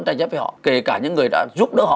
tài chấp với họ kể cả những người đã giúp đỡ họ